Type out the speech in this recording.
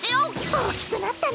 大きくなったね。